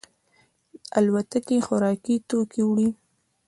الوتکې خوراکي توکي وړي.